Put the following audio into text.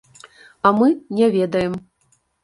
А мы не ведаем.